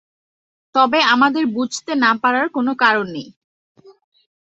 তবে আমাদের বুঝতে না পারার কোনো কারণ নেই।